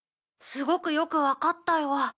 すごくよく分かったよ。